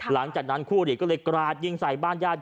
หลังจากนั้นคู่หลีก็เลยกราดยิงใส่บ้านญาติ